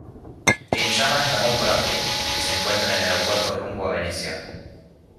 Quien llama es Damon Bradley, que se encuentra en el aeropuerto rumbo a Venecia.